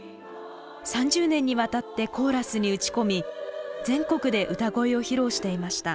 ３０年にわたってコーラスに打ち込み全国で歌声を披露していました。